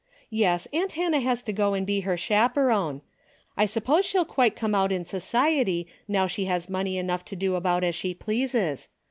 Yes, aunt Hannah has to go and be her chap eron. I suppose she'll quite come out in so ciety now she has money enough to do about as she pleases.